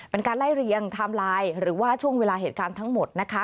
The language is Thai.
เป็นการไล่เรียงไทม์ไลน์หรือว่าช่วงเวลาเหตุการณ์ทั้งหมดนะคะ